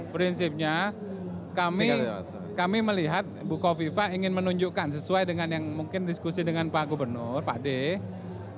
prinsipnya kami melihat buko viva ingin menunjukkan sesuai dengan yang mungkin diskusi dengan pak gubernur pak d